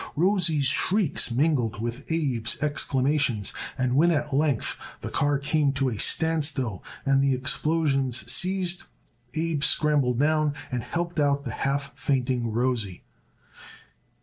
Rosie's shrieks mingled with Abe's exclamations, and when at length the car came to a stand still and the explosions ceased Abe scrambled down and helped out the half fainting Rosie.